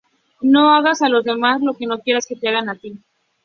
No hagas a los demás lo que no quieras que te hagan a ti